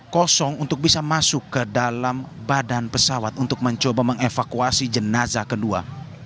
kosong untuk bisa masuk ke dalam badan pesawat untuk mencoba mengevakuasi jenazah kedua